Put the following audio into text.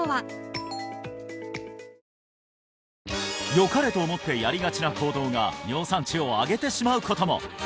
よかれと思ってやりがちな行動が尿酸値を上げてしまうことも！